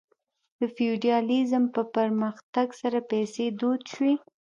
د فیوډالیزم په پرمختګ سره پیسې دود شوې.